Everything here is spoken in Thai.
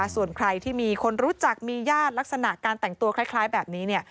ส่วนใครที่มีคนรู้จักมีญาติลักษณะการแต่งตัวคล้ายแบบนี้